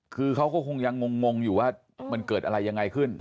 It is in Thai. คือเขาก็คงยังงงอยู่ว่ามันเกิดอะไรยังไงขึ้น